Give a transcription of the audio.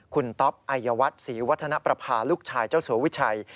คุณต๊อปไอยวัฒน์ศรีวัฒนประพาลูกชายเจ้าสัววิชัย